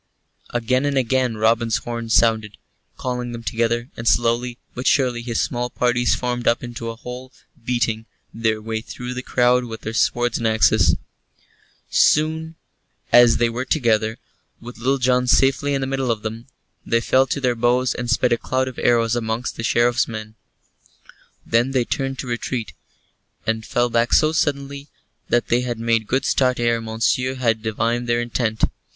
Again and again Robin's horn sounded, calling them together, and slowly but surely his small parties formed up into a whole, beating their way through the crowd with their swords and axes. So soon as they were together, with Little John safely in the middle of them, they fell to their bows and sped a cloud of arrows amongst the Sheriff's men. Then they turned to retreat, and fell back so suddenly that they had made good start ere Monceux had divined their intent.